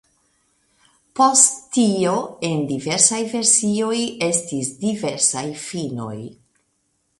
Post tio en diversaj versioj estas diversaj finoj.